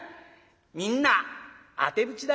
みんなあてぶちだよ。